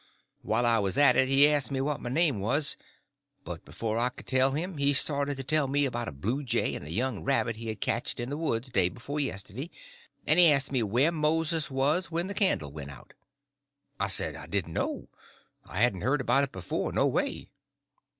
While I was at it he asked me what my name was, but before I could tell him he started to tell me about a bluejay and a young rabbit he had catched in the woods day before yesterday, and he asked me where Moses was when the candle went out. I said I didn't know; I hadn't heard about it before, no way.